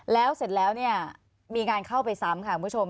แล้วเสร็จแล้วเนี่ยมีการเข้าไปซ้ำค่ะคุณผู้ชม